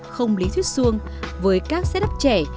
không lý thuyết xuông với các set up trẻ